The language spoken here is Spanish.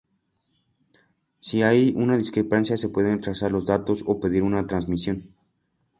Si hay una discrepancia se pueden rechazar los datos o pedir una retransmisión.